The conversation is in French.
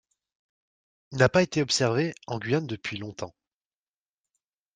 Il n'a pas été observé en Guyane depuis longtemps.